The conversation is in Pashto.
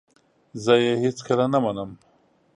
زه یې هیڅکله نه منم !